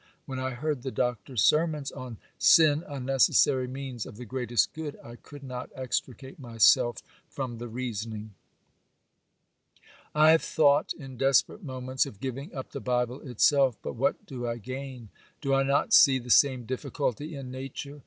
When I heard the Doctor's sermons on "Sin a Necessary Means of the Greatest Good," I could not extricate myself from the reasoning. 'I have thought, in desperate moments, of giving up the Bible itself. But what do I gain? Do I not see the same difficulty in Nature?